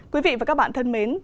quý vị và các bạn thân mến